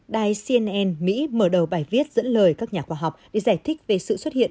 đài cnn mỹ mở đầu bài viết dẫn lời các nhà khoa học để giải thích về sự xuất hiện